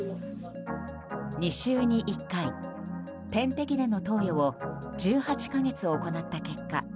２週に１回、点滴での投与を１８か月行った結果